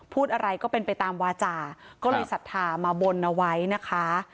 พูดอะไรก็เป็นไปตามวาจาก็เลยศรัทธามาบนเอาไว้นะคะ